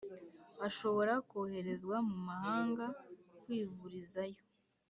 Ashobora koherezwa mu mahanga kwivurizayo